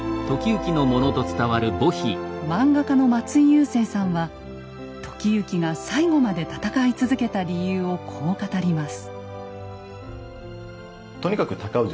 漫画家の松井優征さんは時行が最後まで戦い続けた理由をこう語ります。